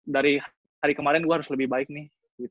dari hari kemarin gue harus lebih baik nih